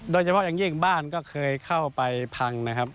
โดยเฉพาะอย่างยิ่งบ้านก็เคยเข้าไปพังนะครับ